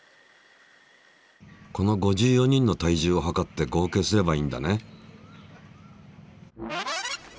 この５４人の体重を量って合計すればいいんだね。